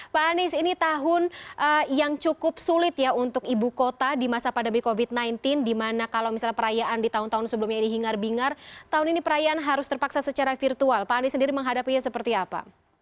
pak anies ini tahun yang cukup sulit ya untuk ibu kota di masa pandemi covid sembilan belas di mana kalau misalnya perayaan di tahun tahun sebelumnya ini hingar bingar tahun ini perayaan harus terpaksa secara virtual pak anies sendiri menghadapinya seperti apa